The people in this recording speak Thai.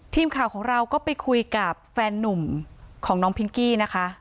ทีมข่าวของเราก็ไปคุยกับแฟนนุ่มของน้องพิงกี้นะคะ